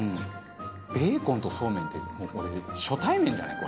ベーコンとそうめんって初対面じゃない？